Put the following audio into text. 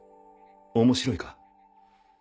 面白いか？